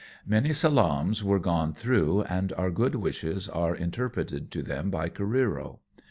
Many salaams are gone through, and our good wishes are interpreted to them by Careero.